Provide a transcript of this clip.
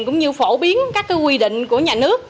cũng như phổ biến các quy định của nhà nước